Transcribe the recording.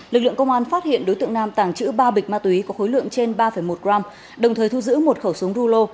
lực lượng công an phát hiện đối tượng nam tàng trữ ba bịch ma túy có khối lượng trên ba một g đồng thời thu giữ một khẩu súng rulo